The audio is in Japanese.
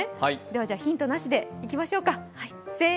では、ヒントなしでいきましょうか。